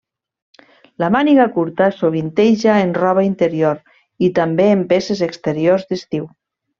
La màniga curta sovinteja en roba interior, i també en peces exteriors d'estiu.